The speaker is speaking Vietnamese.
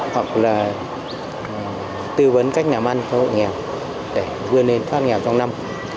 hoặc là tư vấn cách làm ăn cho hộ nghèo để vươn lên thoát nghèo trong năm